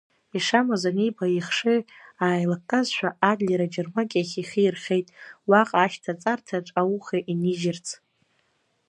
Ишамуаз аниба, ихшыҩ ааилкказшәа, Адлер аџьармыкьахь ихы ирхеит, уаҟа ашьҭаҵарҭаҿ ауха инижьырц.